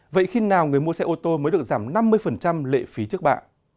vậy khi nào người mua xe ô tô mới được giảm năm mươi lệ phí trước bạ